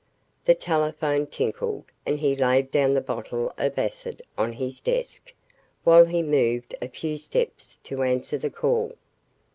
The telephone tinkled and he laid down the bottle of acid on his desk, while he moved a few steps to answer the call.